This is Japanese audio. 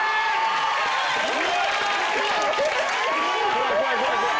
怖い怖い怖い怖い。